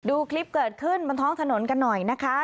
ดูคลิปเกิดขึ้นบนท้องถนนกันหน่อยนะคะ